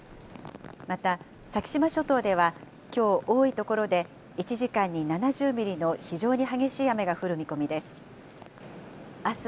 また、先島諸島ではきょう、多い所で１時間に７０ミリの非常に激しい雨が降る見込みです。